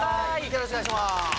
よろしくお願いします。